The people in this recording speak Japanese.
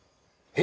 え？